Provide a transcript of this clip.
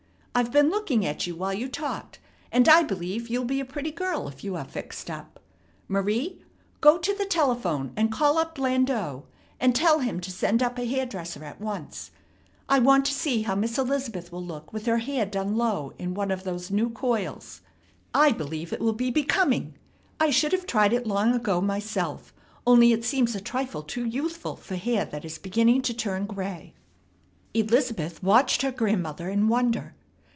I've been looking at you while you talked, and I believe you'll be a pretty girl if you are fixed up. Marie, go to the telephone, and call up Blandeaux, and tell him to send up a hair dresser at once. I want to see how Miss Elizabeth will look with her hair done low in one of those new coils. I believe it will be becoming. I should have tried it long ago myself; only it seems a trifle too youthful for hair that is beginning to turn gray." Elizabeth watched her grandmother in wonder.